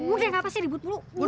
udah gak pasti ribut lu